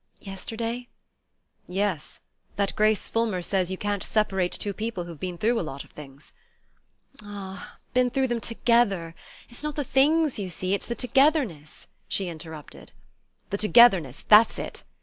"Yesterday?" "Yes: that Grace Fulmer says you can't separate two people who've been through a lot of things " "Ah, been through them together it's not the things, you see, it's the togetherness," she interrupted. "The togetherness that's it!"